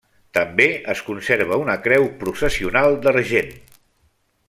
També es conserva una creu processional d'argent.